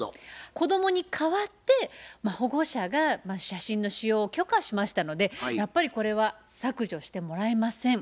子供に代わって保護者が写真の使用を許可しましたのでやっぱりこれは削除してもらえません。